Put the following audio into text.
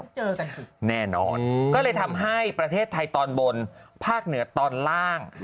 เจอกันค่ะแน่นอนก็เลยทำให้ประเทศไทยตอนบนภาคเหนือตอนล่าง